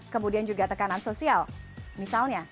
kemudian juga tekanan sosial misalnya